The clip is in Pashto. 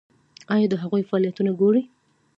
ایا د هغوی فعالیتونه ګورئ؟